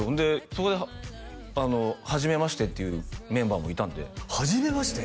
そこではじめましてっていうメンバーもいたんではじめまして？